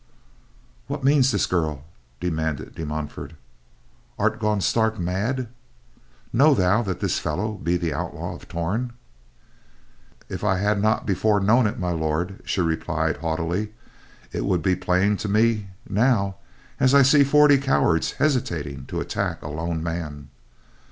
"What means this, girl?" demanded De Montfort, "Art gone stark mad? Know thou that this fellow be the Outlaw of Torn?" "If I had not before known it, My Lord," she replied haughtily, "it would be plain to me now as I see forty cowards hesitating to attack a lone man.